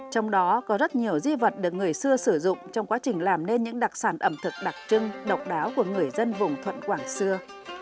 trong đó có rất nhiều di vật được người xưa sử dụng trong quá trình làm nên những đặc sản ẩm thực đặc trưng độc đáo của người dân vùng thuận quảng xưa